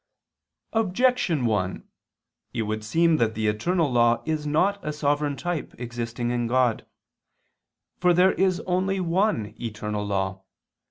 Objection 1: It would seem that the eternal law is not a sovereign type existing in God. For there is only one eternal law.